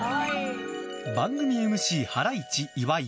番組ＭＣ、ハライチ岩井。